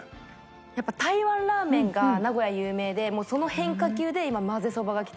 やっぱり台湾ラーメンが名古屋有名でもうその変化球で今まぜそばがきてるんです。